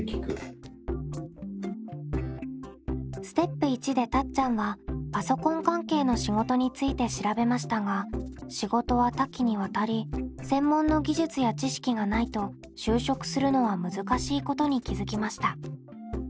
ステップ①でたっちゃんはパソコン関係の仕事について調べましたが仕事は多岐にわたり専門の技術や知識がないと就職するのは難しいことに気付きました。